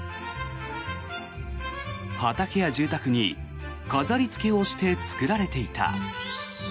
畑や住宅に飾りつけをして作られていた。